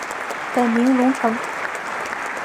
本名融成。